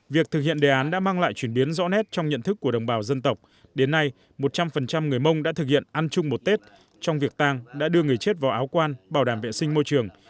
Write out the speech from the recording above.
việc thực hiện đề án đã mang lại chuyển biến rõ nét trong nhận thức của đồng bào dân tộc đến nay một trăm linh người mông đã thực hiện ăn chung một tết trong việc tàng đã đưa người chết vào áo quan bảo đảm vệ sinh môi trường